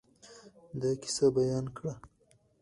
دا قصه بیان کړه.